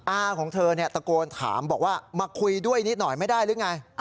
อาของเธอตะโกนถามบอกว่ามาคุยด้วยนิดหน่อยไม่ได้หรือไง